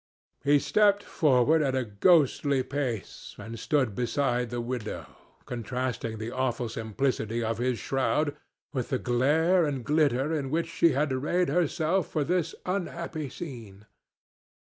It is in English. He stepped forward at a ghostly pace and stood beside the widow, contrasting the awful simplicity of his shroud with the glare and glitter in which she had arrayed herself for this unhappy scene.